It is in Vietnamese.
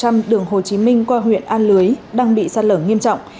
trường một trăm linh đường hồ chí minh qua huyện an lưới đang bị sặt lở nghiêm trọng